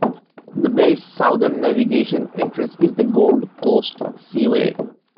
The bay's southern navigation entrance is the Gold Coast Seaway.